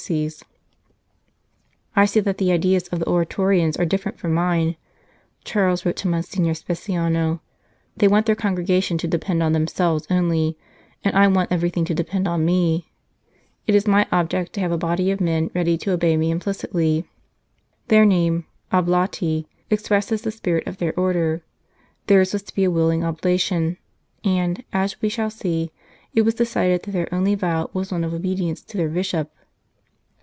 169 St. Charles Borromeo " I see that the ideas of the Oratorians are different from mine," Charles wrote to Monsignor Speciano ;" they want their congregation to de pend on themselves only, and I want everything to depend on me ; it is my object to have a body of men ready to obey me implicitly." Their name " Oblati " expresses the spirit of their Order ; theirs was to be a willing oblation, and, as we shall see, it was decided that their only vow was one of obedience to their Bishop.